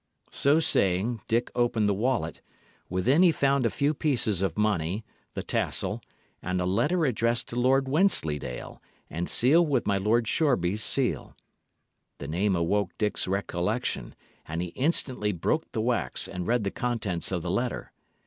So saying, Dick opened the wallet; within he found a few pieces of money, the tassel, and a letter addressed to Lord Wensleydale, and sealed with my Lord Shoreby's seal. The name awoke Dick's recollection; and he instantly broke the wax and read the contents of the letter.